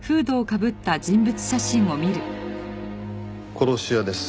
殺し屋です。